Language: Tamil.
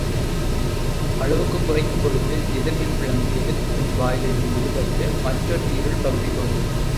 அளவுக்குக் குறைக்கும் பொழுது எதிர் மின் பிழம்பு எதிர் மின்வாயிலிருந்து விடுபட்டு மற்றொரு இருள் பகுதி தோன்றும்.